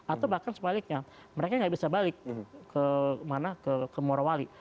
atau bahkan sebaliknya mereka nggak bisa balik ke morowali